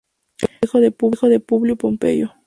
Era hijo de Publio Pompeyo.